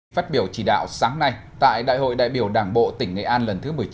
phát biểu chỉ đạo sáng nay tại đại hội đại biểu đảng bộ tỉnh nghệ an lần thứ một mươi chín